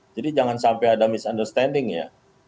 jadi jangan sampai ada misunderstanding ya